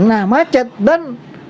nah macet dan